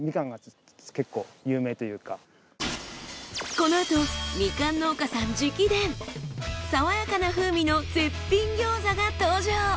このあとみかん農家さん直伝爽やかな風味の絶品餃子が登場。